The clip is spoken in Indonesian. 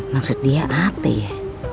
maksud dia apa ya